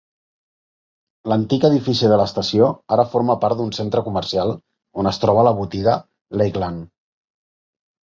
L'antic edifici de l'estació ara forma part d'un centre comercial on es troba la botiga Lakeland.